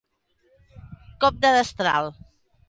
Cop de destral.